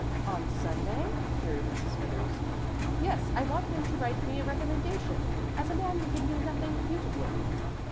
"On Sunday?" queried Mrs. Smithers. "Yes; I want him to write me a recommendation as a man who can do nothing beautifully."